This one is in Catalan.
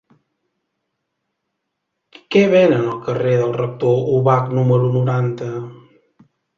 Què venen al carrer del Rector Ubach número noranta?